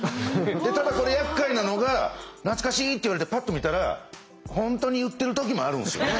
ただこれやっかいなのが「懐かしい」って言われてパッと見たら本当に言ってる時もあるんですよね。